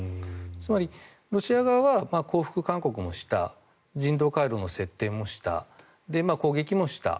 つまり、ロシア側は降伏勧告もした人道回廊の設定もした攻撃もした。